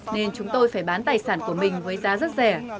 nên chúng tôi phải bán tài sản của mình với giá rất rẻ